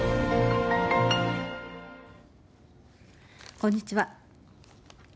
こんにちは。